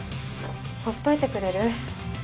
ほっといてくれる？